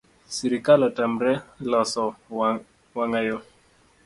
Sirikal otamore loso wang’ayo